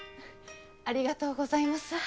ありがとうございます。